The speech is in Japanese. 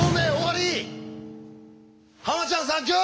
ハマちゃんサンキュー！